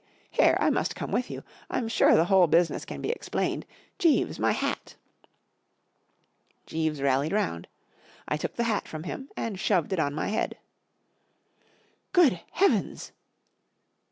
Here, I must come with you. Lm sure the whole business can be ex¬ plained, Jeeves, my hat/' Jeeves rallied round* 1 took the hat from him and shoved it on my head, II Good heavens